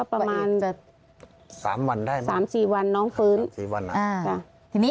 ประมาณ๓๑๔วันน้องฟื้น